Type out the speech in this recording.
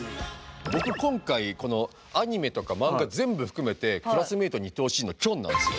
僕今回このアニメとかマンガ全部含めてクラスメートにいてほしいのキョンなんですよ。